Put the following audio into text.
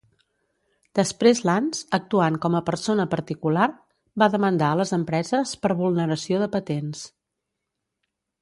Després Lans, actuant com a persona particular, va demandar a les empreses per vulneració de patents.